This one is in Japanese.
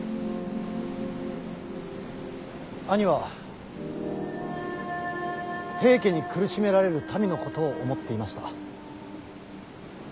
兄は平家に苦しめられる民のことを思っていました。